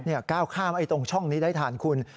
เนี่ยก้าวข้ามไอ้ตรงช่องนี้ได้ทานคุณ